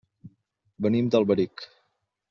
Venim d'Alberic.